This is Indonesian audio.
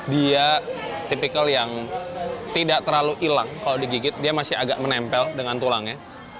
dia tipikal yang tidak terlalu hilang kalau digigit dia masih agak menempel dengan tulangnya